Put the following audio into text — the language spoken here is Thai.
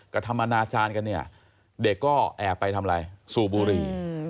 กระทำอนาจารย์กันเนี่ยเด็กก็แอบไปทำอะไรสูบบุรี